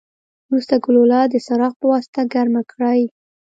وروسته ګلوله د څراغ پواسطه ګرمه کړئ.